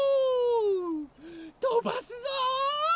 とばすぞ！